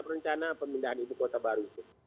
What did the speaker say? rencana pemindahan ibu kota baru itu